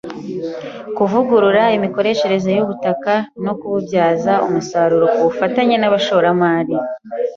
Kuvugurura imikoreshereze y’ubutaka no kububyaza umusaruro ku bufatanye n’abashoramari